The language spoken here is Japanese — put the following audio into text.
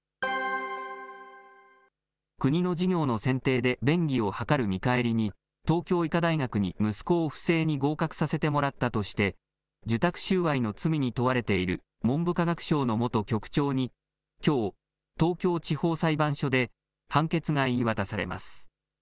国の事業の選定で便宜を図る見返りに、東京医科大学に息子を不正に合格させてもらったとして受託収賄の罪に問われている文部科学省の元局長に、きょう、東京地方裁判所で判決が言い渡されます。